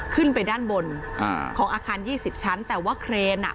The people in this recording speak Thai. ขึ้นไปด้านบนอ่าของอาคารยี่สิบชั้นแต่ว่าเครนอ่ะ